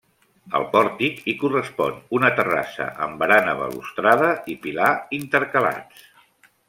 Al pòrtic i correspon una terrassa amb barana balustrada i pilar intercalats.